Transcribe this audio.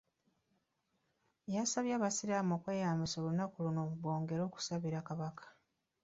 Yasabye abasiraamu okweyambisa olunaku luno bongere okusabira Kabaka.